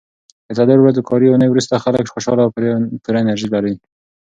د څلورو ورځو کاري اونۍ وروسته خلک خوشاله او پوره انرژي لري.